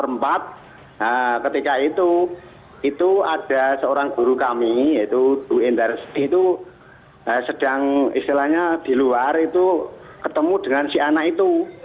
nah ketika itu itu ada seorang guru kami yaitu bu endar sdi itu sedang istilahnya di luar itu ketemu dengan si anak itu